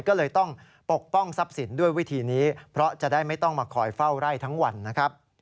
ก็เลยต้องปกป้องทรัพย์สินด้วยวิธีนี้เพราะจะได้ไม่ต้องมาคอยเฝ้าไร่ทั้งวันนะครับ